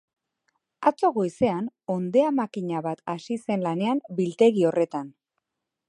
Atzo goizean hondeamakina bat hasi zen lanean biltegi horretan.